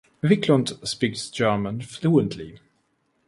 Wiklund speaks German fluently.